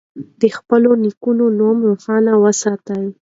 د خپلو نیکونو نوم روښانه وساتئ.